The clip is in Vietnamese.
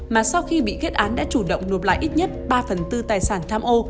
mà sau khi bị kết án đã chủ động nộp lại ít nhất ba phần tư tài sản tham ô